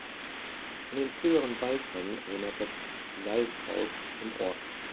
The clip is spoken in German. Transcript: An den früheren Salzhandel erinnert das „Salzhaus“ im Ort.